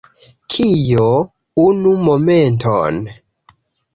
Kio? Unu momenton